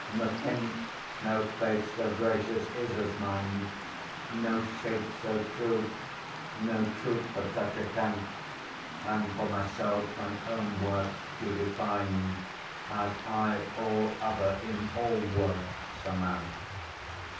Methinks no face so gracious is as mine, No shape so true, no truth of such account; And for myself mine own worth do define, As I all other in all worths surmount.